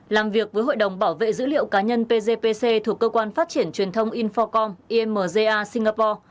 làm việc với hội đồng bảo vệ dữ liệu cá nhân pgpc thuộc cơ quan phát triển truyền thông infocom imga singapore